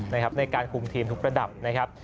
ในการคุมทีมทุกระดับนะครับ